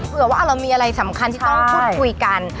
เผื่อว่าเรามีอะไรสำคัญที่ต้องพูดคุยกัน